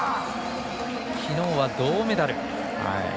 きのうは銅メダル。